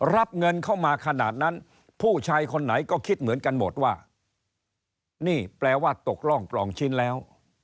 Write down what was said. รับเงินเข้ามาขนาดนั้นผู้ชายคนไหนก็คิดเหมือนกันหมดว่านี่แปลว่าตกร่องปลองชิ้นแล้ว